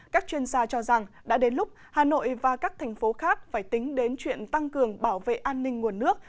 các chuyên gia cho rằng đã đến lúc hà nội và các thành phố khác phải tính đến chuyện tăng cường bảo vệ an ninh nguồn nước